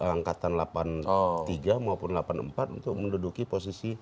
angkatan delapan puluh tiga maupun delapan puluh empat untuk menduduki posisi